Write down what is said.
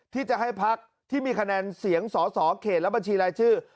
ที่จะให้พักที่มีคะแนนเสียงสอสอเขตและบัญชีรายชื่อ